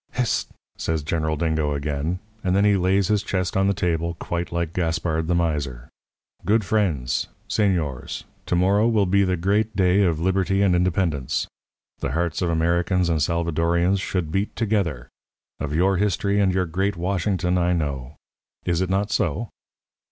"'Hist!' says General Dingo again, and then he lays his chest on the table quite like Gaspard the Miser. 'Good friends, señores, to morrow will be the great day of Liberty and Independence. The hearts of Americans and Salvadorians should beat together. Of your history and your great Washington I know. Is it not so?'